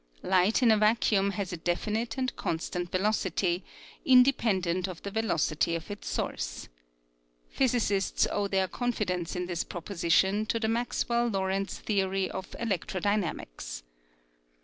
Light in a vacuum has a definite and constant velocity, independent of the velocity of its source. Physicists owe their confidence in this proposition to the Maxwell Lorentz theory of electro dynamics.